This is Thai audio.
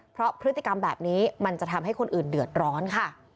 เพราะพฤติกรรมแบบนี้มันจะทำให้คนอื่นเดือดร้อนค่ะ